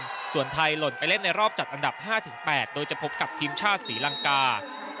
ส่วนไทยหล่นไปเล่นในรอบจัดอันดับ๕๘โดยจะพบกับทีมชาติศรีลังกา